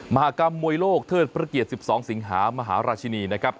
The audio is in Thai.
มหากรรมมวยโลกเทิดพระเกียรติ๑๒สิงหามหาราชินีนะครับ